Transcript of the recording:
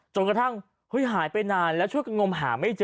จนกระทั่งหายไปนานแล้วช่วยกันมองหาไม่เจอ